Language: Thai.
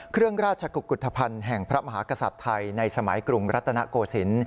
เครื่องราชกุกกุฏธภัณฑ์แห่งพระมหากษัตริย์ไทยในสมัยกรุงรัตนโกศิลป์